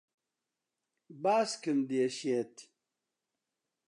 باسکم دێشێت.